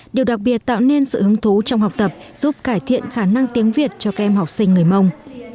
điều đặc biệt tạo nên sự hứng thú trong học tập giúp cải thiện khả năng tiếng việt cho các em học sinh người mông